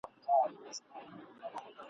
نن به ولي په تیارو کي ښخېدی د شمعي مړی ..